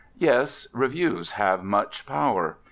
Yes, reviews have much power.